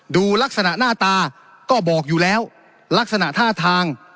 ดูลักษณะหน้าตาก็บอกอยู่แล้วลักษณะท่าทาง